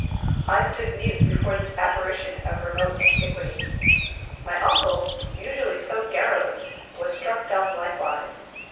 I stood mute before this apparition of remote antiquity. My uncle, usually so garrulous, was struck dumb likewise.